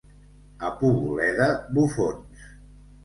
A Poboleda, bufons.